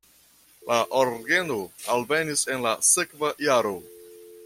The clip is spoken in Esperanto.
La orgeno alvenis en la sekva jaro.